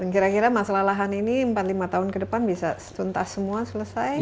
kira kira masalah lahan ini empat lima tahun ke depan bisa tuntas semua selesai